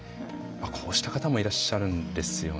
こうした方もいらっしゃるんですよね。